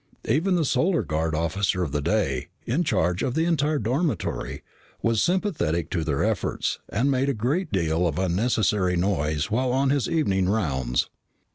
Even the Solar Guard officer of the day, in charge of the entire dormitory, was sympathetic to their efforts and made a great deal of unnecessary noise while on his evening rounds.